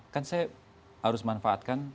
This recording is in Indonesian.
kan saya harus manfaatkan